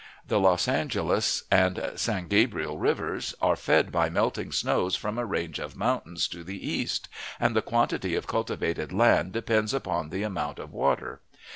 The Los Angeles and San Gabriel Rivers are fed by melting snows from a range of mountains to the east, and the quantity of cultivated land depends upon the amount of water.